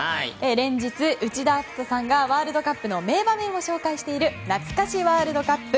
連日、内田篤人さんがワールドカップの名場面を紹介しているなつか史ワールドカップ。